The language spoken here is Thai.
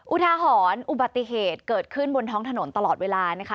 อุทาหรณ์อุบัติเหตุเกิดขึ้นบนท้องถนนตลอดเวลานะคะ